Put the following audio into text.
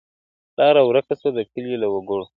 لاره ورکه سوه د کلي له وګړو،